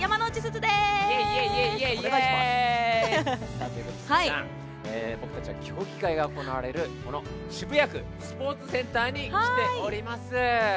さてということですずちゃんぼくたちは競技会が行われるこの渋谷区スポーツセンターに来ております。